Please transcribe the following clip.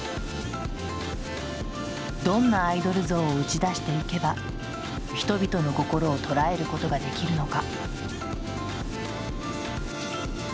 どんなアイドル像を打ち出していけば人々の心を捉えることができるのか。